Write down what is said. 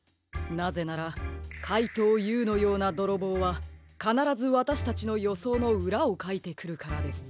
なぜならかいとうＵのようなどろぼうはかならずわたしたちのよそうのうらをかいてくるからです。